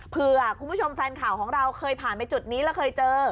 เพื่อคุณผู้ชมแฟนข่าวของเราเคยผ่านไปจุดนี้แล้วเคยเจอ